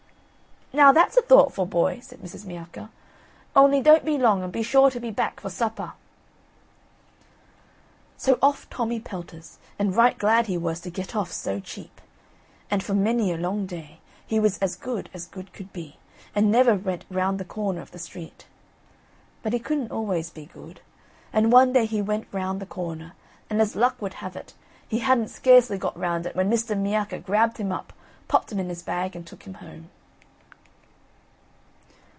"Now, that's a thoughtful boy," said Mrs. Miacca, "only don't be long and be sure to be back for supper." So off Tommy pelters, and right glad he was to get off so cheap; and for many a long day he was as good as good could be, and never went round the corner of the street. But he couldn't always be good; and one day he went round the corner, and as luck would have it, he hadn't scarcely got round it when Mr. Miacca grabbed him up, popped him in his bag, and took him home.